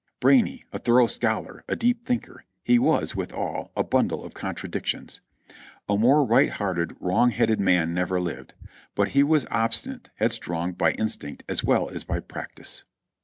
Brainy, a thorough scholar, a deep thinker, he was, withal, a bundle of contradictions. A more right hearted, wrong headed man never lived ; but he was obstinate, head strong by instinct as well as by practice.